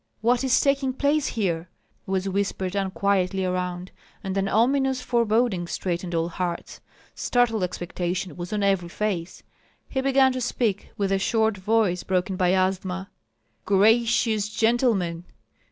what is taking place here?" was whispered unquietly around; and an ominous foreboding straitened all hearts, startled expectation was on every face. He began to speak, with a short voice broken by asthma: "Gracious gentlemen!